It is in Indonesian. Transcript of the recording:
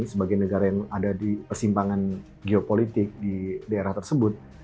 sebagai negara yang ada di persimpangan geopolitik di daerah tersebut